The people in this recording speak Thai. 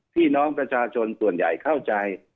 พี่น้องประชาชนส่วนใหญ่เข้าใจ